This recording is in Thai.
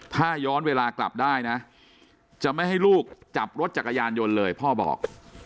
ถ้าย้อนเวลากลับได้นะจะไม่ให้ลูกจับรถจักรยานยนต์เลยพ่อบอก